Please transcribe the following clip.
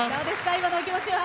今のお気持ちは。